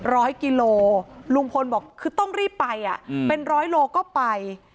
ร้อยกิโลลุงพลบอกคือต้องรีบไปอ่ะอืมเป็นร้อยโลก็ไป